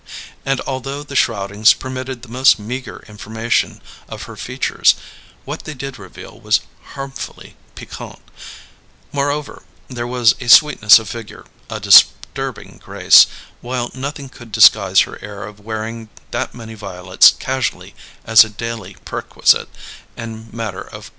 And although the shroudings permitted the most meagre information of her features, what they did reveal was harmfully piquant; moreover, there was a sweetness of figure, a disturbing grace; while nothing could disguise her air of wearing that many violets casually as a daily perquisite and matter of course.